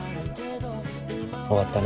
終わったね。